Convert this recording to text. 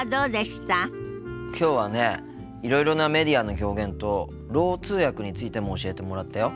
きょうはねいろいろなメディアの表現とろう通訳についても教えてもらったよ。